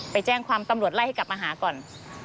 ไปแจ้งความตำรวจไล่ให้กลับมาหาก่อน